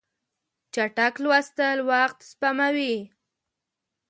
چټک لوستل وخت سپموي.